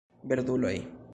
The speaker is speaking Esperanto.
Verduloj